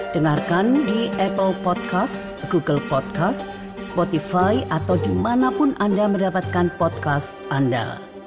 dengarkan di apple podcast google podcast spotify atau dimanapun anda mendapatkan podcast anda